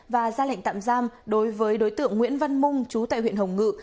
và ra lệnh tạm giam đối với đối tượng nguyễn văn mung chú tại huyện hồng ngự